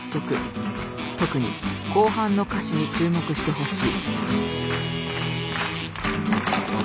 特に後半の歌詞に注目してほしい。